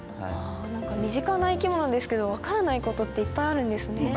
何か身近な生き物ですけど分からないことっていっぱいあるんですね。